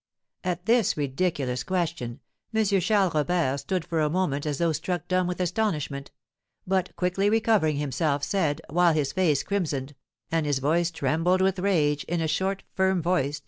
At this ridiculous question, M. Charles Robert stood for a moment as though struck dumb with astonishment, but, quickly recovering himself, said, while his face crimsoned, and his voice trembled with rage, in a short, firm voice, to M.